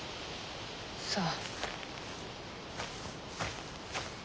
そう。